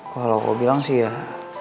kalau aku bilang sih ya